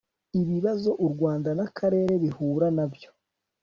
ibibazo u Rwanda n akarere bihura na byo